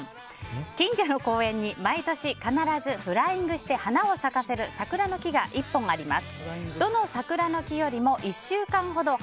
近所の公園に毎年必ずフライングして花を咲かせる桜の木が１本あります。